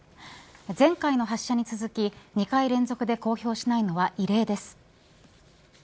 前回の発射に続き２回連続で公表しないのは異例です。